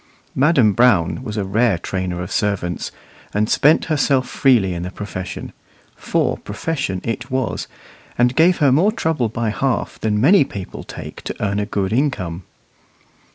Madam Brown was a rare trainer of servants, and spent herself freely in the profession; for profession it was, and gave her more trouble by half than many people take to earn a good income.